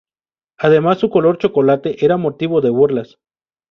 Además, su color chocolate era motivo de burlas.